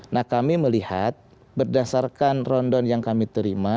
nah kami melihat berdasarkan rondon yang kami terima